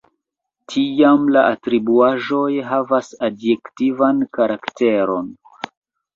Tiam la atribuaĵoj havas adjektivan karakteron.